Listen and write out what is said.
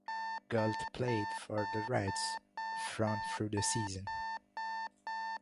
Gullett played for the Reds from through the season.